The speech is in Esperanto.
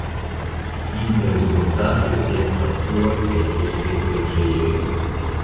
Inter vidindaĵoj estas turoj kaj kelkaj preĝejoj.